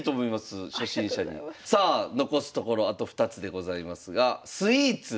さあ残すところあと２つでございますが「スイーツ」。